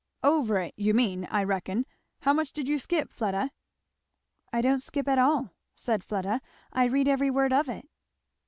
"Over it, you mean, I reckon; how much did you skip, Fleda?" "I didn't skip at all," said Fleda; "I read every word of it."